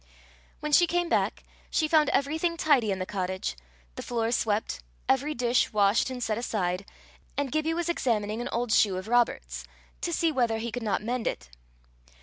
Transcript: When she came back, she found everything tidy in the cottage, the floor swept, every dish washed and set aside; and Gibbie was examining an old shoe of Robert's, to see whether he could not mend it.